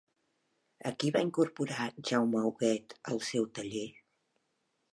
A qui va incorporar Jaume Huguet al seu taller?